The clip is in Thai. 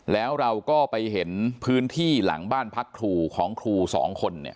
แล้วเราก็ไปเห็นพื้นที่หลังบ้านพักครูของครูสองคนเนี่ย